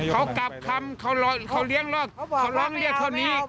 เขากลับคำเขาเลี้ยงแล้วเขาร้องเรียกเท่านี้